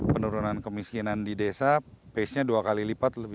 penurunan kemiskinan di desa base nya dua kali lipat lebih